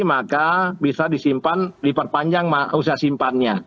maka bisa disimpan diperpanjang usia simpannya